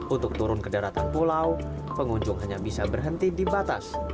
untuk turun ke daratan pulau pengunjung hanya bisa berhenti di batas